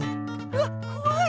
うわっこわい！